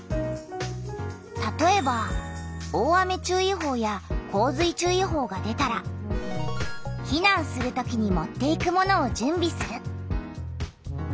たとえば大雨注意報や洪水注意報が出たら「避難する時に持っていくものを準備する」。